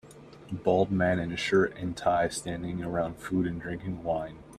Bald man in a shirt an tie standing around food and drinking wine.